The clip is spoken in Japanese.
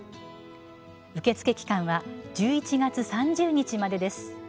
受付期間は１１月３０日までです。